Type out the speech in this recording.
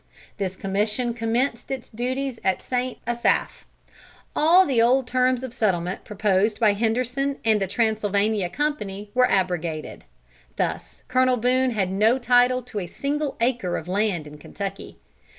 This commission commenced its duties at St. Asaph. All the old terms of settlement proposed by Henderson and the Transylvania Company were abrogated. Thus Colonel Boone had no title to a single acre of land in Kentucky.